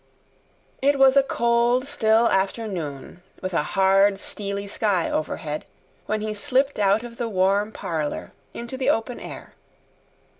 It was a cold still afternoon with a hard steely sky overhead, when he slipped out of the warm parlour into the open air.